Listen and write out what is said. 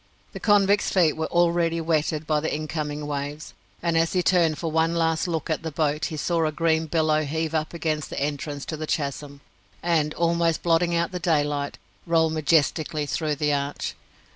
The convict's feet were already wetted by the incoming waves, and as he turned for one last look at the boat he saw a green billow heave up against the entrance to the chasm, and, almost blotting out the daylight, roll majestically through the arch.